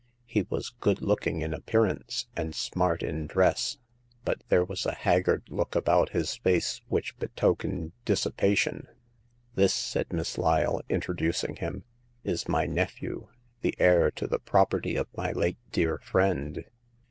He was good looking in appearance, and smart in dress, but there was a haggard look about his face which betokened dissipation. This,'* said Miss Lyle, introducing him, is my nephew, the heir to the property of my late dear friend.